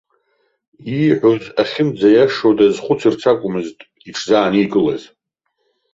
Ииҳәоз ахьынӡаиашоу дазхәыцырц акәмызт иҽзааникылаз.